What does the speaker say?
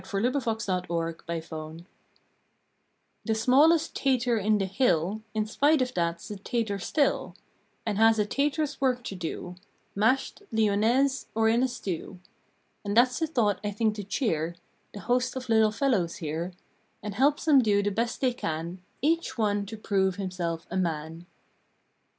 November First THE SMALL POTATO smallest later in the hill In spite of that s a tater still, And has a tater s work to do, Mashed, Lyonnaise, or in a stew; And that s a thought I think to cheer The host of little fellows here And helps em do the best they can Each one to prove himself a man!